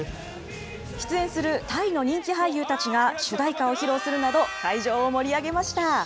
出演するタイの人気俳優たちが主題歌を披露するなど、会場を盛り上げました。